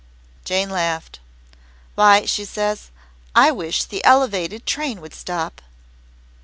Jane laughed. "'Why,' she says, 'I wish the Elevated train would stop.'